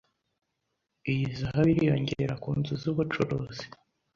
Iyi hazabu iriyongera ku nzu z’ubucuruzi